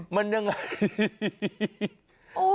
มันยังไง